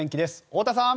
太田さん。